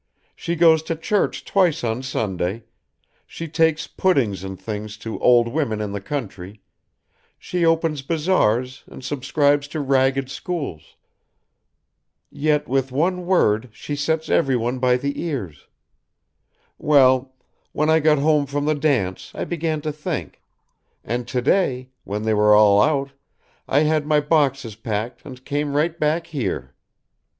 She goes to church twice on Sunday, she takes puddings and things to old women in the country, she opens bazaars and subscribes to ragged schools yet with one word she sets everyone by the ears Well, when I got home from the dance I began to think, and to day, when they were all out, I had my boxes packed and came right back here.